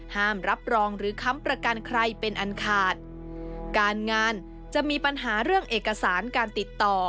รับรองหรือค้ำประกันใครเป็นอันขาดการงานจะมีปัญหาเรื่องเอกสารการติดต่อ